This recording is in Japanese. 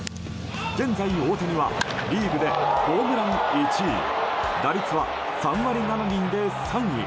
現在、大谷はリーグでホームラン１位打率は３割７厘で３位。